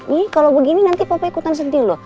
nih kalau begini nanti papa ikutan sendiri loh